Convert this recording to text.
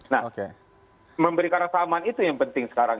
nah memberikan rasa aman itu yang penting sekarang